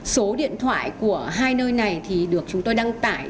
số điện thoại của hai nơi này thì được chúng tôi đăng tải